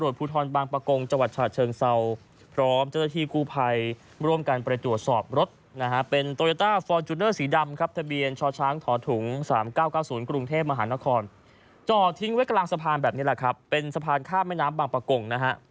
จอดทิ้งไว้กลางสะพานแบบนี้แหละครับเป็นสะพานข้ามแม่น้ำบางประกงนะฮะ